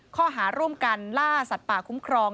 ข้อหาร่วมกันล่าสัตว์ป่าคุ้มครอง